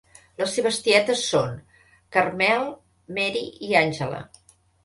Les seves tietes són: Carmel, Mary i Angela.